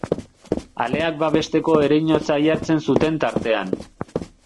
Aleak babesteko ereinotza jartzen zuten tartean.